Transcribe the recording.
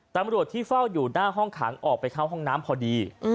ตำรวจที่เฝ้าอยู่หน้าห้องขังออกไปเข้าห้องน้ำพอดี